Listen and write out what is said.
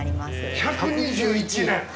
１２１年！